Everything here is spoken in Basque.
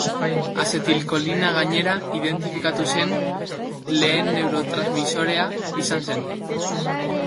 Azetilkolina gainera, identifikatu zen lehen neurotransmisorea izan zen.